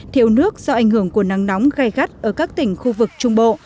thiếu nước do ảnh hưởng của nắng nóng gai gắt ở các tỉnh khu vực trung bộ